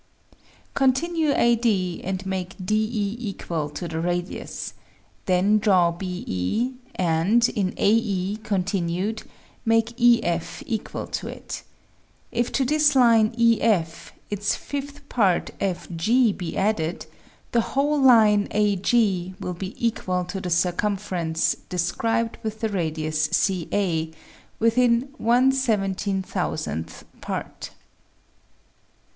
Continue AD and make DE equal to the radius ; then draw BE, and in AE, continued, make EF equal to it ; if to this line EF, SQUARING THE CIRCLE 23 its fifth part FG be added, the whole line AG will be equal to the circumference described with the radius CA, within one seventeen thousandth part.